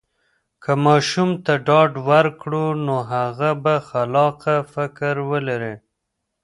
که ماشوم ته ډاډ ورکړو، نو هغه به خلاقه فکر ولري.